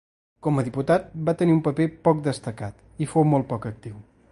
Com a diputat va tenir un paper poc destacat i fou molt poc actiu.